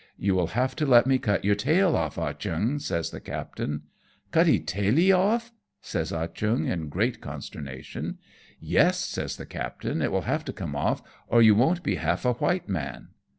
"You will have to let me cut your tail off, Ah Cheong," says the captain. " Cutee tailee off ?" says Ah Cheong in great con sternation. " Yes," says the captain ;" it will have to come off, or you won't be half a white man."